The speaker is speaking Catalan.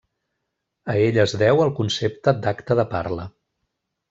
A ell es deu el concepte d'acte de parla.